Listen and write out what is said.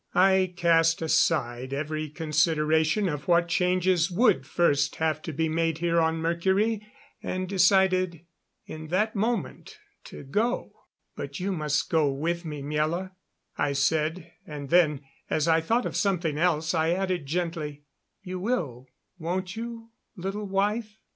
I cast aside every consideration of what changes would first have to be made here on Mercury, and decided in that moment to go. "But you must go with me, Miela," I said, and then, as I thought of something else, I added gently: "You will, won't you, little wife?